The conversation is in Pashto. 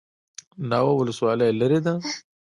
ناوه ولسوالۍ لیرې ده؟